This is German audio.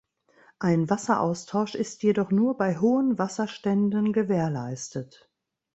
Ein Wasseraustausch ist jedoch nur bei hohen Wasserständen gewährleistet.